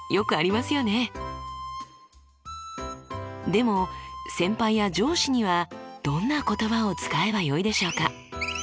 でも先輩や上司にはどんな言葉を使えばよいでしょうか？